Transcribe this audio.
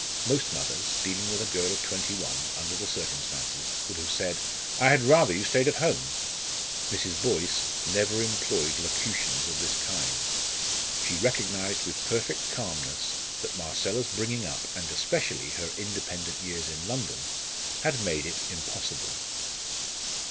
Most mothers, dealing with a girl of twenty one, under the circumstances, would have said, "I had rather you stayed at home." Mrs. Boyce never employed locutions of this kind. She recognised with perfect calmness that Marcella's bringing up, and especially her independent years in London, had made it impossible.